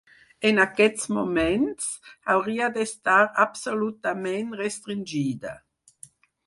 En aquests moments, hauria d'estar absolutament restringida.